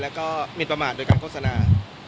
แล้วก็มินประมาทโดยการโฆษณา